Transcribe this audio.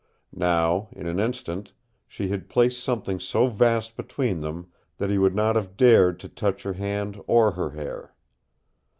Now, in an instant, she had placed something so vast between them that he would not have dared to touch her hand or her hair.